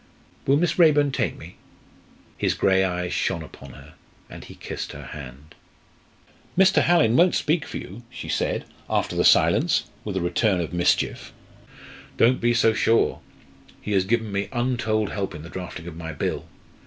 "Will Miss Raeburn take me?" His grey eyes shone upon her, and he kissed her hand. "Mr. Hallin won't speak for you!" she said, after the silence, with a return of mischief. "Don't be so sure! He has given me untold help in the drafting of my Bill.